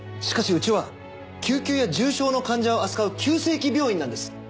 しかしうちは救急や重症の患者を扱う急性期病院なんです。